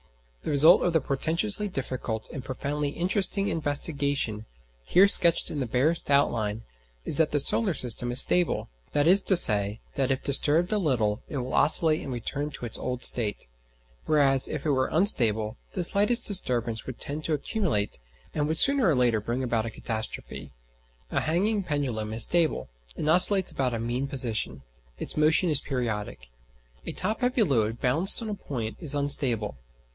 The result of the portentously difficult and profoundly interesting investigation, here sketched in barest outline, is that the solar system is stable: that is to say, that if disturbed a little it will oscillate and return to its old state; whereas if it were unstable the slightest disturbance would tend to accumulate, and would sooner or later bring about a catastrophe. A hanging pendulum is stable, and oscillates about a mean position; its motion is periodic. A top heavy load balanced on a point is unstable.